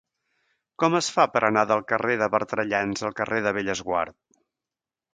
Com es fa per anar del carrer de Bertrellans al carrer de Bellesguard?